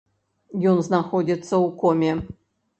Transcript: Ён знаходзіцца ў коме.